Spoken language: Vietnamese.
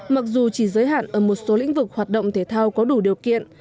mặc dù chỉ giới hạn ở một số lĩnh vực hoạt động thể thao có đủ điều kiện